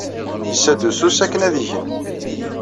Yessa-d usu-is akken ad igen.